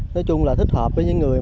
nói chung là thích hợp với những người